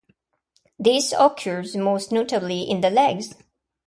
This occurs most notably in the legs.